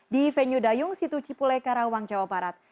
di venue dayung situ cipule karawang jawa barat